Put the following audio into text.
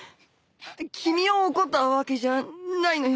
君を怒ったわけじゃないのよ。